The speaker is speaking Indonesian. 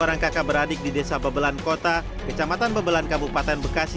orang kakak beradik di desa bebelan kota kecamatan bebelan kabupaten bekasi